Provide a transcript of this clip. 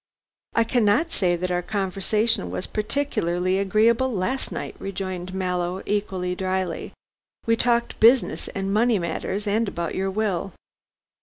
"I cannot say that our conversation was particularly agreeable last night," rejoined Mallow, equally dryly, "we talked business and money matters, and about your will."